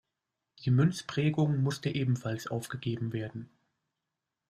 Die Münzprägung musste ebenfalls aufgegeben werden.